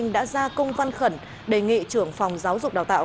đã ra công văn khẩn đề nghị trưởng phòng giáo dục đào tạo